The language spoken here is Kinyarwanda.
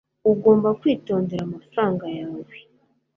ugomba kwitondera amafaranga yawe